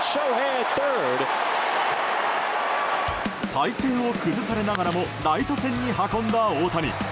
体勢を崩されながらもライト線に運んだ大谷。